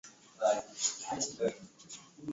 ilipoanguka Lakini baada ya siku thelathini na sita